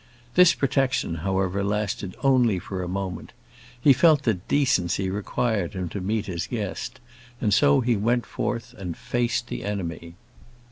This protection, however, lasted only for a moment; he felt that decency required him to meet his guest, and so he went forth and faced the enemy.